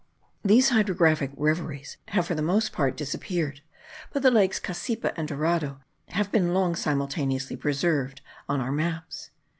These hydrographic reveries have for the most part disappeared; but the lakes Cassipa and Dorado have been long simultaneously preserved on our maps.